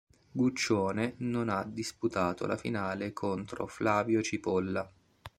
Guccione non ha disputato la finale contro Flavio Cipolla.